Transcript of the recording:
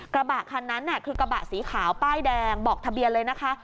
กระบะคันนั้นคือกระบะสีขาวป้ายแดงบอกทะเบียนเลยนะคะ